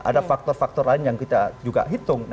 ada faktor faktor lain yang kita juga hitung